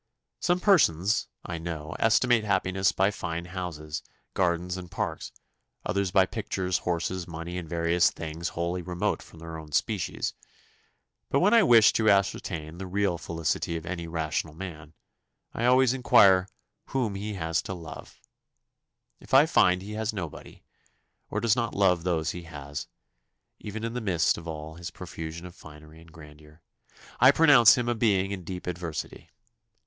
"Some persons, I know, estimate happiness by fine houses, gardens, and parks; others by pictures, horses, money, and various things wholly remote from their own species; but when I wish to ascertain the real felicity of any rational man, I always inquire whom he has to love. If I find he has nobody, or does not love those he has, even in the midst of all his profusion of finery and grandeur, I pronounce him a being in deep adversity.